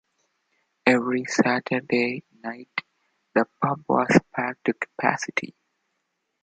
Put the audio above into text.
Every Saturday night the pub was packed to capacity.